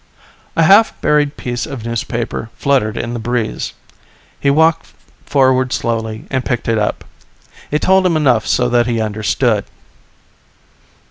A half buried piece of newspaper fluttered in the breeze. He walked forward slowly and picked it up. It told him enough so that he understood.